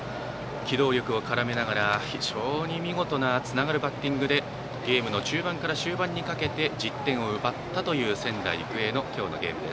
機動力を絡め、非常に見事なつながるバッティングでゲームの中盤から終盤にかけて１０点を奪ったという仙台育英。